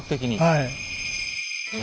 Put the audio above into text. はい。